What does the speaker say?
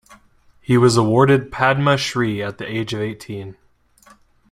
He was awarded Padma Shri at the age of eighteen.